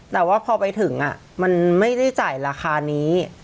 แต่ว่าพอไปถึงมันไม่ได้จ่ายราคานี้